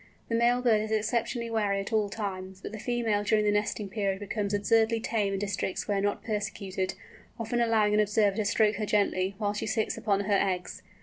The male bird is exceptionally wary at all times, but the female during the nesting period, becomes absurdly tame in districts where not persecuted, often allowing an observer to stroke her gently whilst she sits upon her eggs.